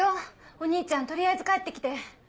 お兄ちゃん取りあえず帰ってきて。